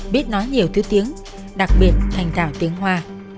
biết nói nhiều thứ tiếng đặc biệt thành tạo tiếng hoa